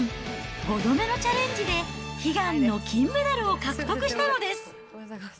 ５度目のチャレンジで、悲願の金メダルを獲得したのです。